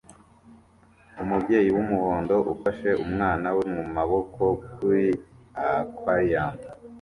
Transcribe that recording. Umubyeyi wumuhondo ufashe umwana we mumaboko kuri aquarium